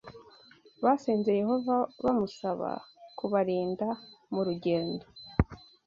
basenze Yehova bamusaba kubarinda mu rugendo